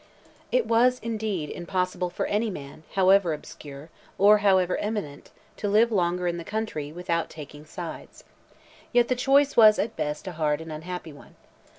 It was, indeed, impossible for any man, however obscure, or however eminent, to live longer in the country, without taking sides. Yet the choice was at best a hard and unhappy one.